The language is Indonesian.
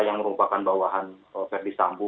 yang merupakan bawahan verdi sambo